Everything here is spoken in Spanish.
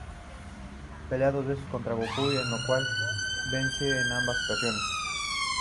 Pelea dos veces contra Goku y el lo cual vence en ambas ocasiones.